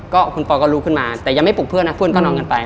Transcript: ก็คุณปอก็ลุกขึ้นมาแต่ยังไม่ปลุกเพื่อนนะเพื่อนก็นอนกันไป